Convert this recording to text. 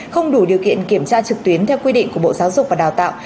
không đủ điều kiện kiểm tra trực tuyến theo quy định của bộ giáo dục và đào tạo